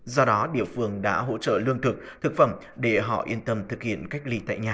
do đó địa phương đã hỗ trợ lương thực thực phẩm để họ yên tâm thực hiện cách ly tại nhà